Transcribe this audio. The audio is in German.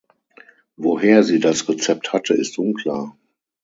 Woher sie das Rezept hatte, ist unklar.